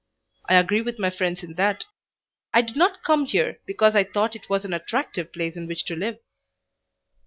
I agree with my friends in that. I did not come here because I thought it was an attractive place in which to live.